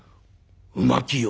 「う巻きよ」。